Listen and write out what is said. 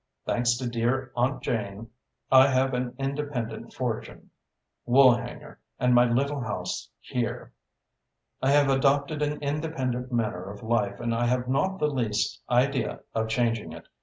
Thanks to dear Aunt Jane, I have an independent fortune, Woolhanger, and my little house here. I have adopted an independent manner of life and I have not the least idea of changing it.